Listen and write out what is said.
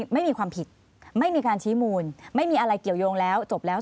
ไม่มีความผิดไม่มีการชี้มูลไม่มีอะไรเกี่ยวยงแล้วจบแล้ว